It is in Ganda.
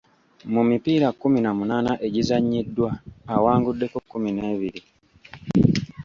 Mu mipiira kkumi na munaana egizannyiddwa, awanguddeko kkumi n'ebiri.